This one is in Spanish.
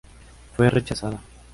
Fue rechazada.